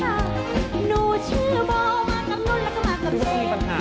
หนูชื่อโบมากับนุ่นแล้วก็มากับพี่